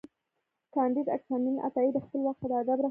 کانديد اکاډميسن عطايي د خپل وخت د ادب رهنما و.